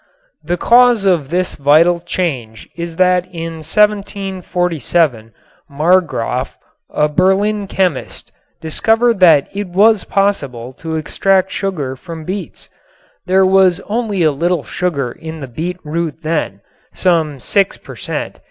The cause of this vital change is that in 1747 Marggraf, a Berlin chemist, discovered that it was possible to extract sugar from beets. There was only a little sugar in the beet root then, some six per cent.